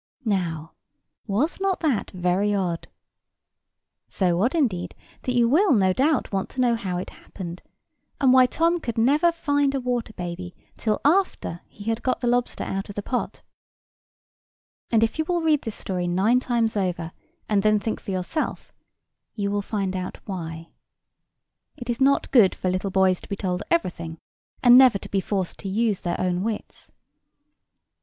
Now, was not that very odd? So odd, indeed, that you will, no doubt, want to know how it happened, and why Tom could never find a water baby till after he had got the lobster out of the pot. And, if you will read this story nine times over, and then think for yourself, you will find out why. It is not good for little boys to be told everything, and never to be forced to use their own wits.